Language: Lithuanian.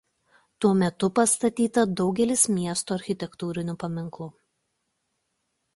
Tuo metu pastatyta daugelis miesto architektūrinių paminklų.